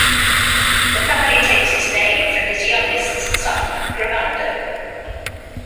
The family takes its name from his youngest son Grimaldo.